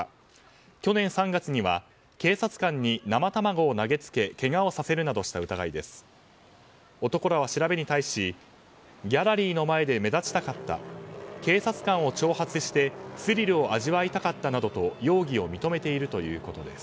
去年３月には警察官に生卵を投げつけけがをさせるなどした疑いです。